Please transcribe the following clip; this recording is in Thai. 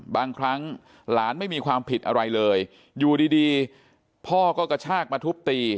บางครั้งหลานไม่มีความผิดอะไรเลยอยู่ดีพ่อก็กระชากมาทุบตี